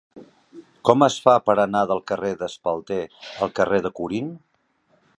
Com es fa per anar del carrer d'Espalter al carrer de Corint?